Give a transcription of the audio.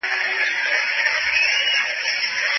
د نجونو زده کړه پروژې ملاتړ کوي.